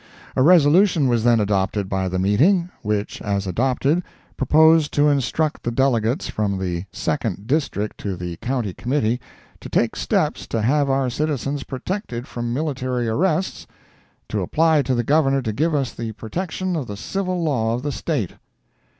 A resolution was then adopted by the meeting, which as adopted, proposed to instruct the delegates from the Second District to the County Committee to take steps to have our citizens protected from military arrests, to apply to the Governor to give us the protection of the civil law of the State.